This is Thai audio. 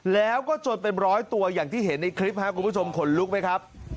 แล้วก็จนเป็นร้อยตัวอย่างที่เห็นในคลิปครับคุณผู้ชมขนลุกไหมครับ